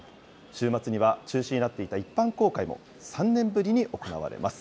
週末には、中止になっていた一般公開も、３年ぶりに行われます。